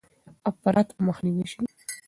افراط به مخنیوی شي.